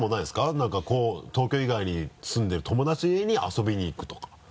何かこう東京以外に住んでる友達の家に遊びに行くとか。